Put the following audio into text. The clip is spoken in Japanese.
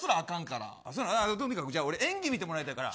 とにかく演技見てもらいたいから。